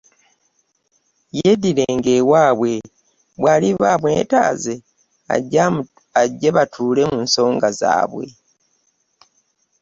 Yeddiranga ewaabwe bw’aliba amwetaaze ajje batuule mu nsonga zaabwe.